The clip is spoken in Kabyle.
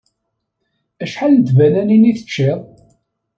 Acḥal n tbananin i teččiḍ?